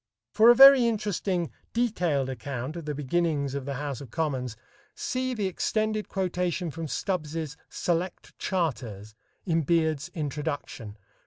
For a very interesting detailed account of the beginnings of the House of Commons, see the extended quotation from Stubbs's "Select Charters" in Beard's "Introduction," pp.